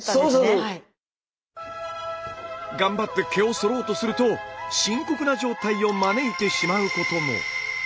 頑張って毛をそろうとすると深刻な状態を招いてしまうことも。